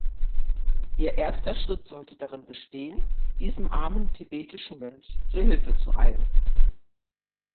Ihr erster Schritt sollte darin bestehen, diesem armen tibetischen Mönch zur Hilfe zu eilen.